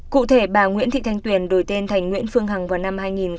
cụ thể bà nguyễn thị thanh tuyền đổi tên thành nguyễn phương hằng vào năm hai nghìn một mươi